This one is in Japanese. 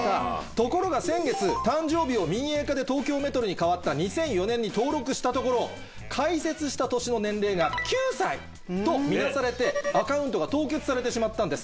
ところが先月誕生日を民営化で「東京メトロ」に変わった２００４年に登録したところ開設した年の年齢が９歳と見なされてアカウントが凍結されてしまったんです。